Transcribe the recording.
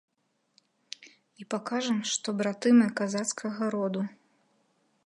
І пакажам, што браты мы казацкага роду.